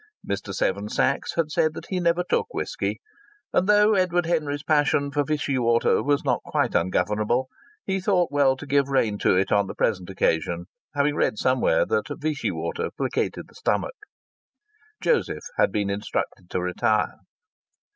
Mr. Seven Sachs had said that he never took whisky; and though Edward Henry's passion for Vichy water was not quite ungovernable, he thought well to give rein to it on the present occasion, having read somewhere that Vichy water placated the stomach. Joseph had been instructed to retire.